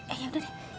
eh ya udah deh